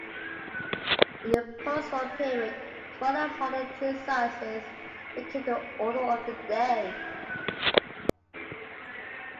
In the postwar period, smaller model train sizes became the order of the day.